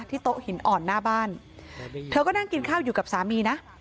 โต๊ะหินอ่อนหน้าบ้านเธอก็นั่งกินข้าวอยู่กับสามีนะ